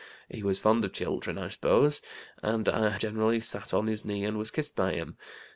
He was fond of children, I suppose, and I generally sat on his knee and was kissed by him.